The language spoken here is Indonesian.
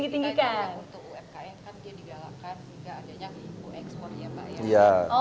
kita ini karena untuk umkm kan dia digalakkan